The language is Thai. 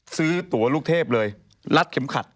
ซื้อตัวลูกเทพเลยรัดเข็มขัด